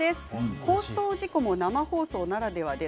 放送事故も生放送ならではです